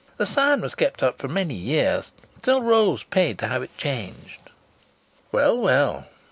The sign was kept up for many years, until Rose paid to have it changed." "Well, well!"